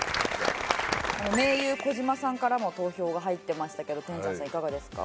盟友小島さんからも投票が入ってましたけど天山さんいかがですか？